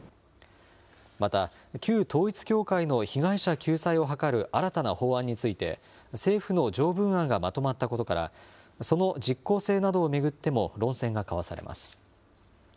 また、旧統一教会の被害者救済を図る新たな法案について、政府の条文案がまとまったことから、その実効性などを巡っても論戦が交わされます。